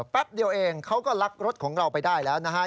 แป๊บเดียวเองเขาก็ลักรถของเราไปได้แล้วนะฮะ